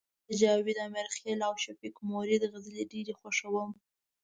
زه د جاوید امرخیل او شفیق مرید غزلي ډيري خوښوم